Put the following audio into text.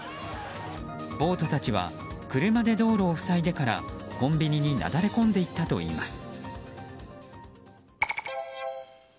暴徒たちは車で道路を塞いでからコンビニになだれ込んでいったといいます。